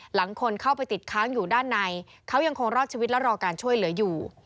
หลังคนเข้าไปติดค้างอยู่ด้านในเขายังคงรอดชีวิตและรอการช่วยเหลืออยู่